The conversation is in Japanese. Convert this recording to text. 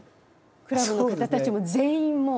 クラブの方たちも全員もう。